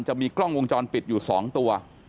จะมีกล้องวงจรปิดอยู่๒ตัว